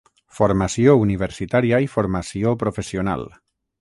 Formació universitària i formació professional.